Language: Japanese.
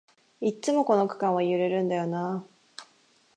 いっつもこの区間は揺れるんだよなあ